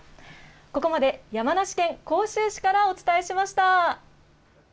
ここまで山梨県甲州市からお伝えしました。